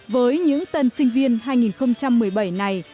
với những tân sinh viên hai nghìn một mươi bảy này